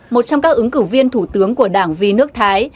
một trong các ứng cử viên thủ tướng của đảng vi nước thái